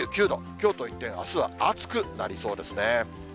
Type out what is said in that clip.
きょうと一転、あすは暑くなりそうですね。